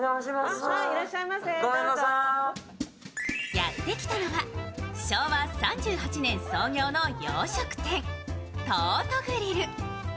やってきたのは昭和３８年創業の洋食店、東都グリル。